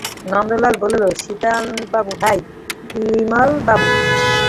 নন্দলাল বলিল শীতলবাবুর ভাই বিমলবাবুর।